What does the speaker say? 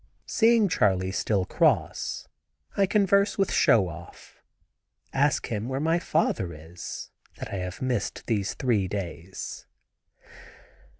Seeing Charley still cross, I converse with Show Off—ask him where my father is, that I have missed these three days.